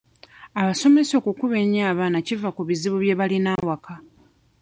Abasomesa okukuba ennyo abaana kiva ku bizibu bye balina awaka.